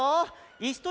いすとり